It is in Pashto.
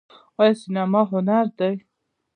آیا سینما هنر دی؟